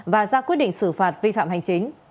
và ra quyết định xử phạt vi phạm hành chính